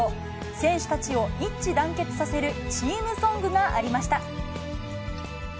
選手たちを一致団結させるチームソングがありました。